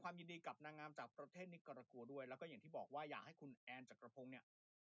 ยินดีกับนางงามจากประเทศนิกรัวด้วยแล้วก็อย่างที่บอกว่าอยากให้คุณแอนจักรพงศ์เนี่ย